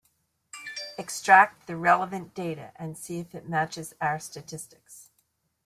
Extract the relevant data and see if it matches our statistics.